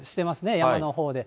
山のほうで。